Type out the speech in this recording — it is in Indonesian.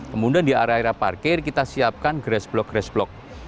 kemudian di area area parkir kita siapkan grass block